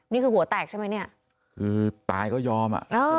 นี่คือหัวแตกใช่ไหมเนี่ยคือตายก็ยอมอ่ะ